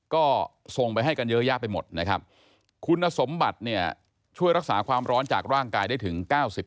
ก็ส่งไปให้กันเยอะแยะไปหมดนะครับคุณสมบัติเนี่ยช่วยรักษาความร้อนจากร่างกายได้ถึง๙๐